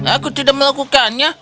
aku tidak melakukannya